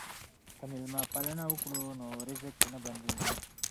که مېلمه پالنه وکړو نو رزق نه بندیږي.